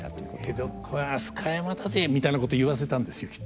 「江戸っ子は飛鳥山だぜ」みたいなこと言わせたんですよきっと。